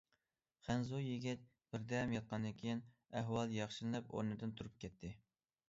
خەنزۇ يىگىت بىردەم ياتقاندىن كېيىن ئەھۋالى ياخشىلىنىپ ئورنىدىن تۇرۇپ كەتتى.